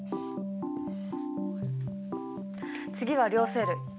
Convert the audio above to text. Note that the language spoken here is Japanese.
次は両生類。